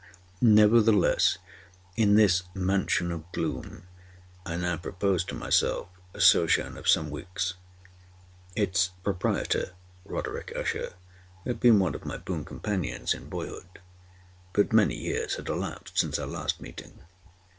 Nevertheless, in this mansion of gloom I now proposed to myself a sojourn of some weeks. Its proprietor, Roderick Usher, had been one of my boon companions in boyhood; but many years had elapsed since our last meeting.